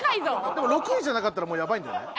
でも６位じゃなかったらもうやばいんじゃない？